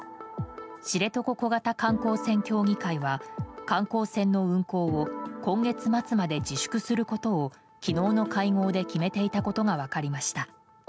知床小型観光船協議会は観光船の運航を今月末まで自粛することを昨日の会合で決めていたことが分かりました。